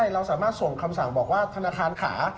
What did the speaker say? เราสามารถส่งคำสั่งบอกว่าธนาคารขา